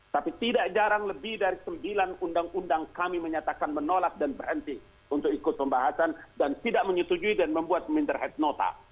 tapi tidak jarang lebih dari sembilan undang undang kami menyatakan menolak dan berhenti untuk ikut pembahasan dan tidak menyetujui dan membuat minder head nota